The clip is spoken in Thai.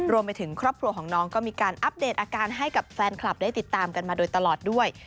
รวมไปถึงครอบครัวของน้องก็มีการอัปเดตอาการให้กับแฟนคลับได้ติดตามกันมาโดยตลอดด้วย